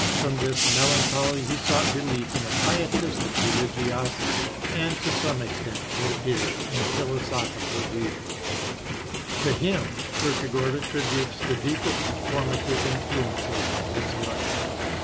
From this melancholy he sought relief in a pietistic religiosity, and to some extent, it appears, in philosophical reading. To him Kierkegaard attributes the deepest formative influences of his life.